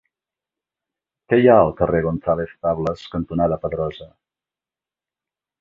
Què hi ha al carrer González Tablas cantonada Pedrosa?